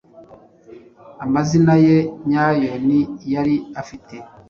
amazina ye nyayo ni yari afite